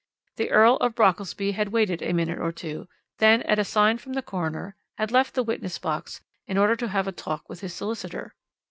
The Earl of Brockelsby had waited a minute or two, then, at a sign from the coroner, had left the witness box in order to have a talk with his solicitor.